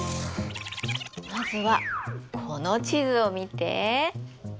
まずはこの地図を見て。